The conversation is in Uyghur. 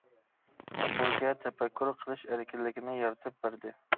ئەقىلگە تەپەككۇر قىلىش ئەركىنلىكىنى يارىتىپ بەردى.